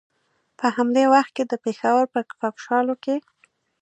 په همدې وخت کې د پېښور په کاکشالو کې.